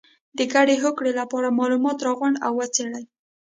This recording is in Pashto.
د ګډې هوکړې لپاره معلومات راغونډ او وڅېړئ.